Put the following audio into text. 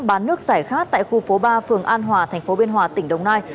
bán nước giải khát tại khu phố ba phường an hòa thành phố biên hòa tỉnh đồng nai